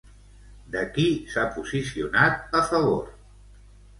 De qui s'ha posicionat a favor?